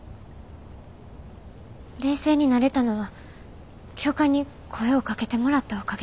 冷静になれたのは教官に声をかけてもらったおかげです。